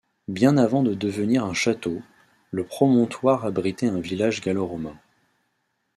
Bien avant de devenir un château, le promontoire abritait un village gallo-romain.